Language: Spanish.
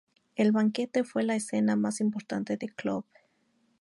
El Banquete fue la escena más importante de Clove.